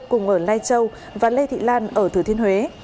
cùng ở lai châu và lê thị lan ở thừa thiên huế